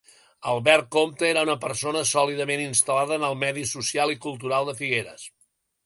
Albert Compte era una persona sòlidament instal·lada en el medi social i cultural de Figueres.